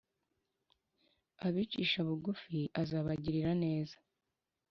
abicisha bugufi azabagirira neza